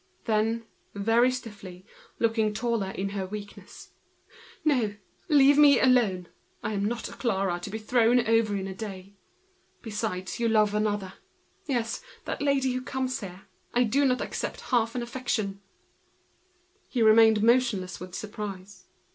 Then, very stiff, looking taller in her weakness: "No, leave me alone! I am not a Clara, to be thrown over in a day. Besides, you love another; yes, that lady who comes here. Stay with her. I do not accept half an affection." He was struck with surprise.